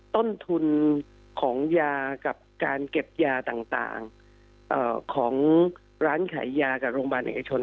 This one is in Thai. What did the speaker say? ต้นทุนของยากับการเก็บยาต่างของร้านขายยากับโรงพยาบาลเอกชน